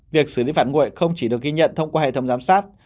việc xử lý phản ngội không chỉ được ghi nhận thông qua hệ thống giám sát